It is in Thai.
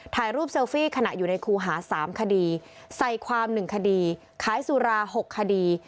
ถ่ายรูปเซลฟี่ขณะอยู่ในครูหา๓คดีใส่ความ๑คดีขายสุรา๖คดี